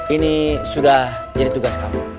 ini sudah jadi tugas kamu